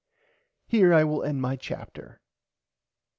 Here I will end my chapter.